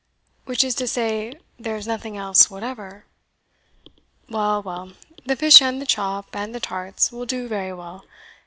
"Which is to say, there is nothing else whatever? Well, well, the fish and the chop, and the tarts, will do very well.